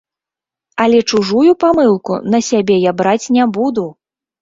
Але чужую памылку на сябе я браць не буду!